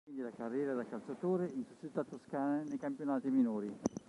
Conclude quindi la carriera da calciatore in società toscane nei campionati minori.